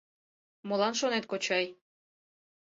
— Молан, шонет, кочай?